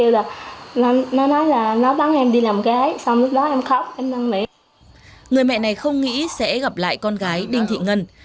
lê không nghĩ sẽ gặp lại con gái đinh thị ngân